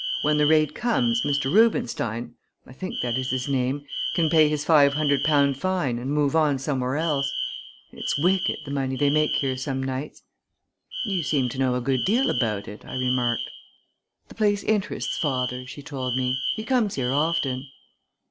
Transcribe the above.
When the raid comes Mr. Rubenstein I think that is his name can pay his five hundred pound fine and move on somewhere else. It's wicked the money they make here some nights!" "You seem to know a good deal about it," I remarked. "The place interests father," she told me. "He comes here often."